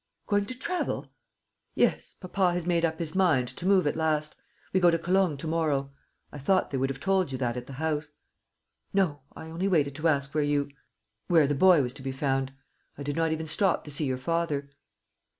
"Going to travel!" "Yes, papa has made up his mind to move at last. We go to Cologne to morrow. I thought they would have told you that at the house." "No; I only waited to ask where you where the boy was to be found. I did not even stop to see your father."